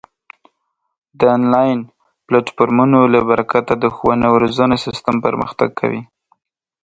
د آنلاین پلتفورمونو له برکته د ښوونې او روزنې سیستم پرمختګ کوي.